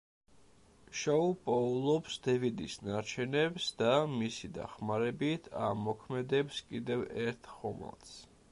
შოუ პოულობს დევიდის ნარჩენებს და, მისი დახმარებით, აამოქმედებს კიდევ ერთ ხომალდს.